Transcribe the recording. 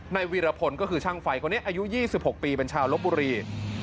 วีรพลก็คือช่างไฟคนนี้อายุ๒๖ปีเป็นชาวลบบุรี